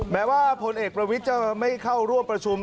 แม้ว่าพลเอกประวิทย์จะไม่เข้าร่วมประชุม